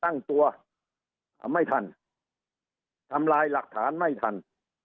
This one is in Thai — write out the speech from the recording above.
ตั้งตัวไม่ทันทำลายหลักฐานไม่ทัน